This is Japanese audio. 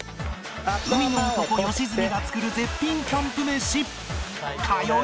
海の男良純が作る絶品キャンプ飯